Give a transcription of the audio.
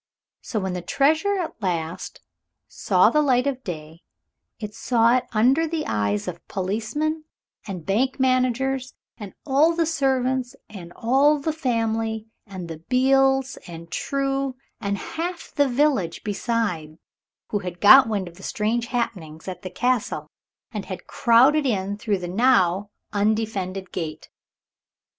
So when the treasure at last saw the light of day it saw it under the eyes of policemen and Bank managers and all the servants and all the family and the Beales and True, and half the village beside, who had got wind of the strange happenings at the Castle and had crowded in through the now undefended gate.